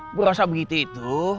gue rasa begitu itu